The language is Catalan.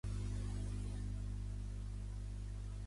Pare que pega, pare no és ell.